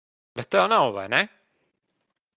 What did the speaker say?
Bet tev nav, vai ne?